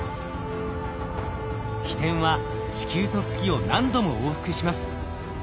ひてんは地球と月を何度も往復します。